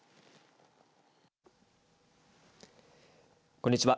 こんにちは。